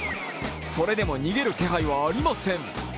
それでも、逃げる気配はありません。